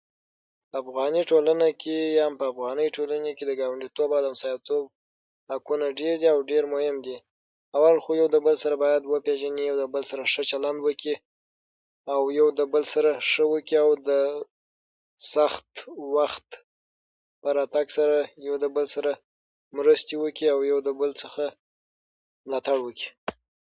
افغاني ټولنه کې یم په افغانۍ ټولنه کې د گاونډیتوب او همسایتوب حقونه ډېر دي او ډېر مهم دي اول خو یو د بل سره باید وپېژني یو د بل سره شه چلند وکي او یو د بل سره شه وکي او د سخت وخت په راتگ سره یو د بل سره مرستې وکي یو د بل څخه ملاتړ وکي